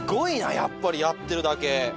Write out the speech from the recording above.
やっぱりやってるだけ。